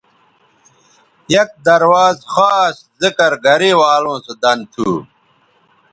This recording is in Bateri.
یک درواز خاص ذکر گرےوالوں سو دن تھو